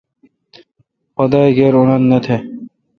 خدا اکیر اونتھ نہ تھ۔